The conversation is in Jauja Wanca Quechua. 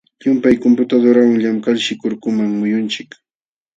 Llumpay computadorawan llamkalshi kurkuman muyunchik.